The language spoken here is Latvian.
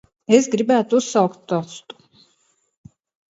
Es gribētu uzsaukt tostu.